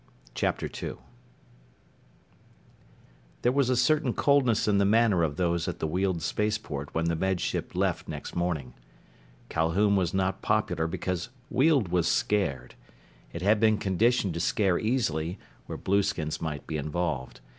2 There was a certain coldness in the manner of those at the Weald spaceport when the Med Ship left next morning. Calhoun was not popular because Weald was scared. It had been conditioned to scare easily, where blueskins might be involved.